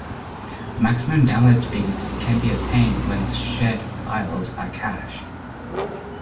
Maximum download speed can be attained when shared files are cached.